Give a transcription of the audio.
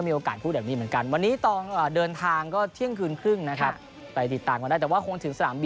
มีเสี่ยงน้ำตรงน้ำตากันด้วยเล็กน้อย